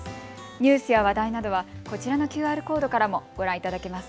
ニュースや話題などは、こちらのＱＲコードからもご覧いただけます。